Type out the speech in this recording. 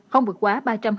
không vượt quá